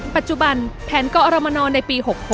ปัจจุบันแผนกอรมนในปี๖๖